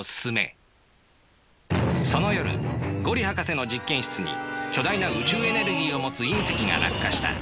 その夜五里博士の実験室に巨大な宇宙エネルギーを持つ隕石が落下した。